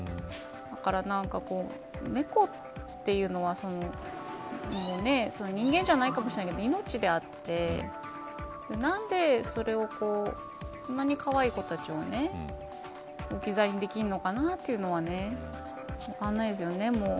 だから、なんか、猫っていうのは人間じゃないかもしれないけど命であって何でそれをこんなにかわいい子たちを置き去りにできるのかなというのはね分かんないですよね。